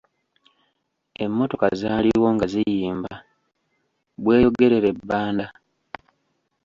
Emmotoka zaaliwo nga ziyimba, "Bweyogerere-Bbanda".